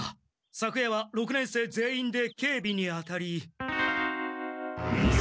昨夜は六年生全員でけいびにあたり。